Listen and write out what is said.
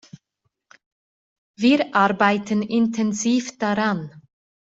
Wir arbeiten intensiv daran.